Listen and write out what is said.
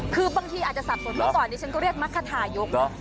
คือบางทีอาจจะสับสนเมื่อก่อนนี้ฉันก็เรียกมรรคทายกเนอะ